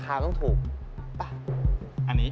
อัฟทีม